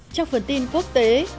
trong phần tin quốc tế